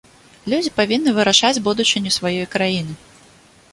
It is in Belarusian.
Людзі павінны вырашаць будучыню сваёй краіны.